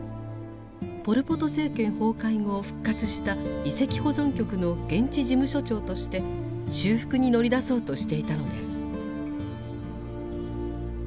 ポル・ポト政権崩壊後復活した遺跡保存局の現地事務所長として修復に乗り出そうとしていたのです。